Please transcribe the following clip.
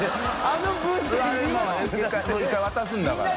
あれ１回渡すんだから。